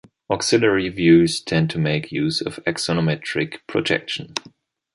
Auxiliary views tend to make use of axonometric projection.